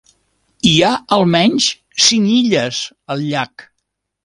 Hi ha almenys cinc illes al llac.